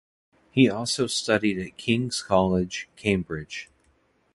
He also studied at Kings College, Cambridge.